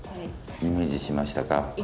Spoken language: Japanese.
イメージしましたか？